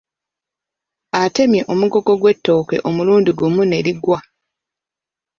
Atemye omugogo gw’ettooke omulundi gumu ne ligwa.